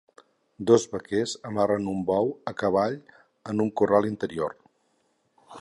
Dos vaquers amarren un bou a cavall en un corral interior.